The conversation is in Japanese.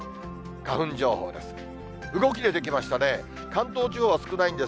花粉情報です。